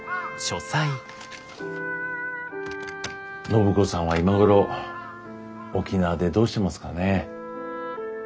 暢子さんは今頃沖縄でどうしてますかね。